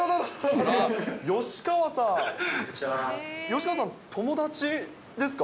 吉川さん、友達ですか？